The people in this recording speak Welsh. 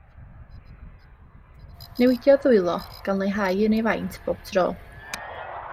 Newidiodd ddwylo, gan leihau yn ei faint pob tro.